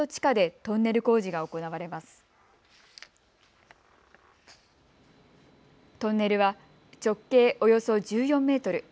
トンネルは直径およそ１４メートル。